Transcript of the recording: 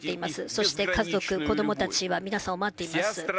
そして家族、子どもたちは皆さんを待っています。